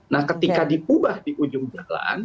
nah ketika diubah di ujung jalan